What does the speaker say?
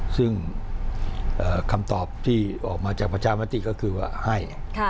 ซึ่งคำตอบที่ออกมาจากประชามติก็คือว่าให้